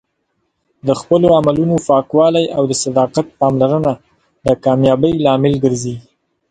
د خپلو عملونو پاکوالی او د صداقت پاملرنه د کامیابۍ لامل ګرځي.